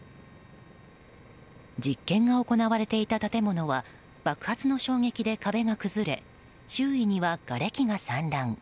実験が行われていた建物は爆発の衝撃で壁が崩れ周囲には、がれきが散乱。